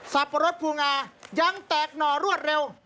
ปะรดภูงายังแตกหน่อรวดเร็ว